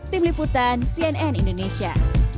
tim liputan cnn indonesia